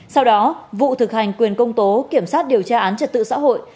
sau đó vụ thực hành quyền công tố kiểm soát điều tra án trật tự xã hội